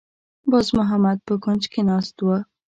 باز محمد په کونج کې ناسته وه.